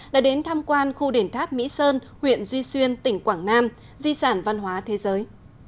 đã đến tham quan khu đền tháp mỹ sơn huyện duy xuyên tỉnh quảng nam di sản văn hóa thế giới